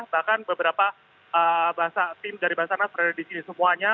bahkan beberapa tim dari basarnas berada di sini semuanya